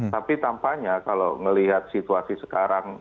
tapi tampaknya kalau melihat situasi sekarang